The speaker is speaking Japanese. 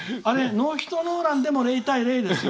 ノーヒットノーランでも０対０ですよ。